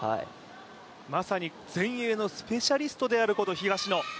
まさに前衛のスペシャリストである東野。